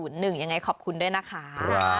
ยังไงขอบคุณด้วยนะคะ